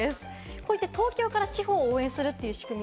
こうやって、東京から地方を応援する取り組み。